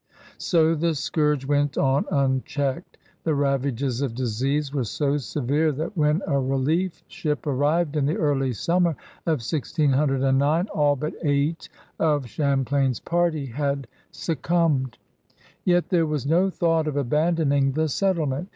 So the scourge went on unchecked. The ravages of disease were so severe that, when a relief ship arrived in the early summer of 1609, all but eight of Champlain's party had succumbed. Yet there was no thought of abandoning the settlement.